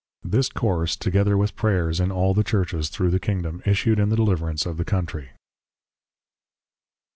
This course, together with \Prayers\, in all the Churches thro' the Kingdom, issued in the deliverance of the Country.